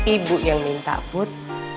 ibu yang minta put